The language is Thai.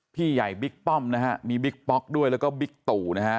พี่ใหญ่บิ๊กป้อมนะฮะมีบิ๊กป๊อกด้วยแล้วก็บิ๊กตู่นะฮะ